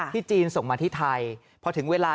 ที่จีนส่งมาที่ไทย